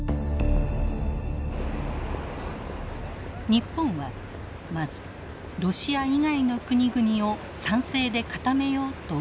日本はまずロシア以外の国々を賛成で固めようと動き出しました。